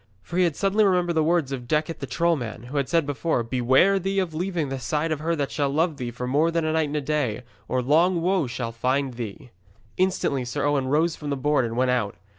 For he had suddenly remembered the words of Decet the troll man, who had said, 'Beware thee of leaving the side of her that shall love thee for more than a night and a day, or long woe shall find thee.' Instantly Sir Owen rose from the board and went out.